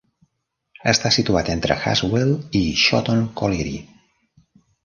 Està situat entre Haswell i Shotton Colliery.